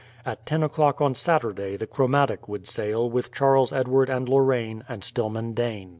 At ten o'clock on Saturday the Chromatic would sail with Charles Edward and Lorraine and Stillman Dane.